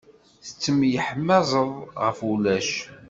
Tettemyeḥmaẓeḍ ɣef ulac.